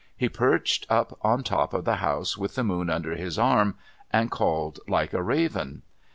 He perched up on top of the house with the moon under his arm and called like a raven.